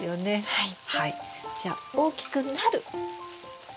はい。